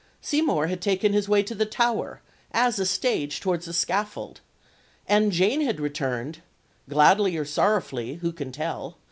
Seymour had taken his way to the Tower, as a stage towards the scaffold; and Jane had returned gladly or sorrowfully, who can tell?